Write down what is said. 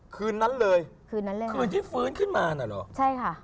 คืนนั้นเลยคืนนั้นเลยค่ะใช่ค่ะคืนที่ฟื้นขึ้นมาน่ะหรอ